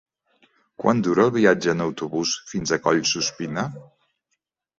Quant dura el viatge en autobús fins a Collsuspina?